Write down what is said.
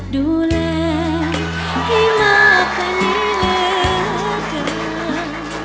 ดูแลให้มากกันให้เหลือกัน